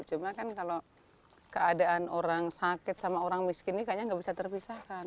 cuma kan kalau keadaan orang sakit sama orang miskin ini kayaknya nggak bisa terpisahkan